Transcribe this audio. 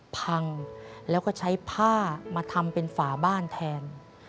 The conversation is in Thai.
พังแล้วก็ใช้ผ้ามาทำเป็นฝาบ้านแทน